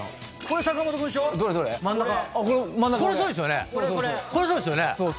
これそうですよね。